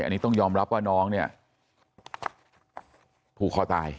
อันนี้ต้องยอมรับว่าน้องเนี่ยผูกคอตาย